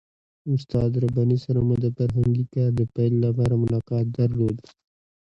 استاد رباني سره مو د فرهنګي کار د پیل لپاره ملاقات درلود.